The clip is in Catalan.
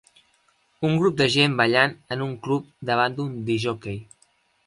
Un grup de gent ballant en un club davant d'un discjòquei.